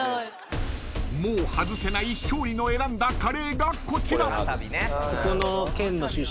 ［もう外せない勝利の選んだカレーがこちら］